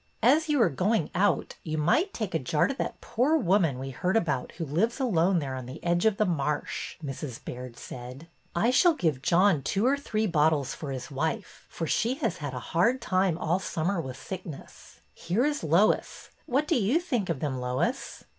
'' As you are going out, you might take a jar to that poor woman we heard about who lives alone there on the edge of the marsh," Mrs. Baird said. I shall give John two or three bottles for his wife, for she has had a hard time all summer with sickness. Here is Lois. What do you think of them, Lois